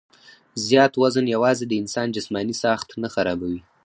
زيات وزن يواځې د انسان جسماني ساخت نۀ خرابوي